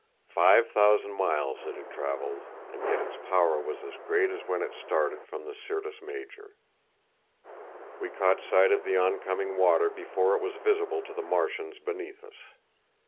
Five thousand miles it had travelled, and yet its power was as great as when it started from the Syrtis Major. We caught sight of the oncoming water before it was visible to the Martians beneath us.